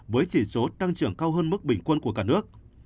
với chỉ số tăng trưởng cao hơn mức bình quân của cả nước